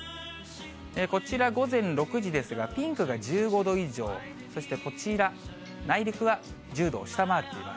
こちら、午前６時ですが、ピンクは１５度以上、そして、こちら内陸は１０度を下回っています。